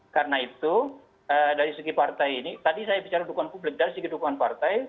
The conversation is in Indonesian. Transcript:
karena itu dari segi partai ini tadi saya bicara dukungan publik dari segi dukungan partai